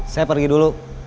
saya pergi dulu